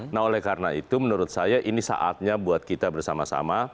nah oleh karena itu menurut saya ini saatnya buat kita bersama sama